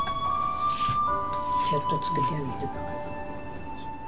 ちょっとつけてあげる。